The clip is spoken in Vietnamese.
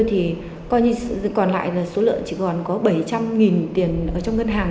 thì coi như còn lại là số lợn chỉ còn có bảy trăm linh tiền ở trong ngân hàng